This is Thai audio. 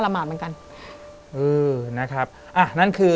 อเรนนี่